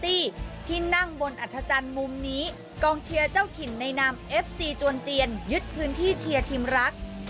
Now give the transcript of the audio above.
ที่นั่งบนอัทจานมุมนี้กองเชียเจ้าขิ่นในนามเอฟซีจวนเจียลยึดพื้นที่เชียทิมลักษณ์